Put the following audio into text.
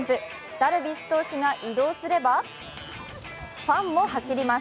ダルビッシュ投手が移動すればファンも走ります。